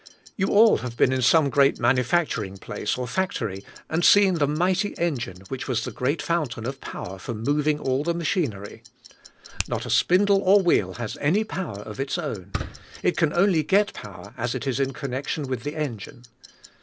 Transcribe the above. You all have been in some great manufac turing place or factory and seen the mighty engine which was the great fountain of power for moving all the machinery; not a spindle or wheel has any power of its own; it can only get power as it is in connection with the engine.